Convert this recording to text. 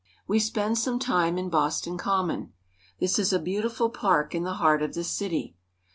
We spend some time in Boston Common. This is a beautiful park in the heart of the city.